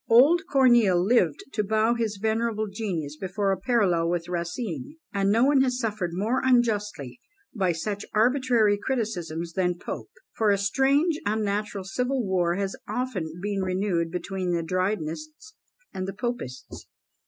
Old Corneille lived to bow his venerable genius before a parallel with Racine; and no one has suffered more unjustly by such arbitrary criticisms than Pope, for a strange unnatural civil war has often been renewed between the Drydenists and the Popeists.